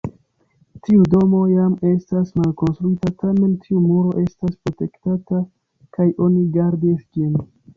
Tiu domo jam estas malkonstruita, tamen tiu muro estas protektata kaj oni gardis ĝin.